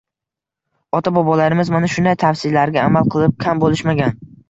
Ota-bobolarimiz mana shunday tavsiyalarga amal qilib kam bo‘lishmagan.